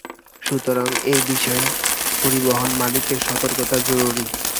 সুতরাং এ বিষয়ে পরিবহনমালিকদের সতর্কতা জরুরি।